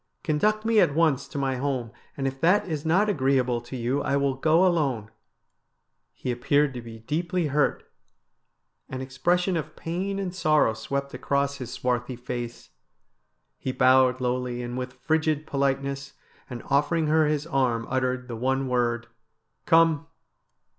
Conduct me at once to my home, and if that is not agreeable to you I will go alone.' He appeared to be deeply hurt. An expression of pain H 98 STORIES WEIRD AND WONDERFUL and sorrow swept across his swarthy face. He bowed lowly and with frigid politeness, and offering her his arm uttered the one word :' Come